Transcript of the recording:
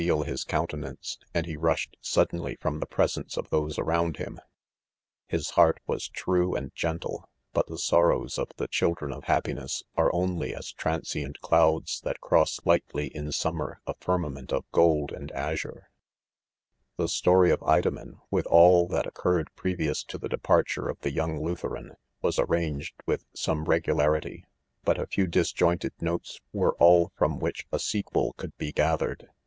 al his countenance, and he .rushed sudd^^uoml'tli^^e^n^:'.'^ • those around him e His heart : was true anci gentle ; but the sorrows of the children of hap r2 ■ $120' < IDOMEN. ;" piness are only as transient clouds that cros® lightly , in summer, a* firmament ■ of gold and azure. .,■;..;.,•'..■..". ..The, story of " Idom.en," with all that oe» currecL.previous to the departure of the young Lutheran, was arranged with some regularity, hut a few disjointed notes were all from which a sequel could he gathered.